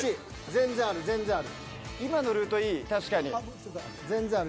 全然ある全然ある。